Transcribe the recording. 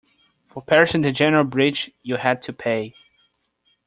For passing the general bridge, you had to pay.